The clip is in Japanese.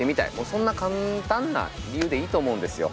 そんな簡単な理由でいいと思うんですよ。